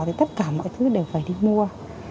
thì tất cả mọi thứ đều phải đi mua